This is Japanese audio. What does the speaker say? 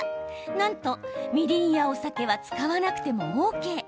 なんと、みりんやお酒は使わなくてもＯＫ。